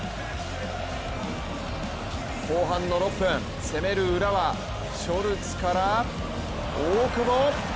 後半の６分、攻める浦和ショルツから大久保。